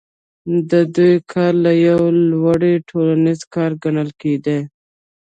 د دوی کار له یوه لوري ټولنیز کار ګڼل کېږي